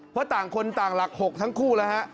เพราะต่างคนต่างหลัก๖ทั้งคู่แล้วฮะ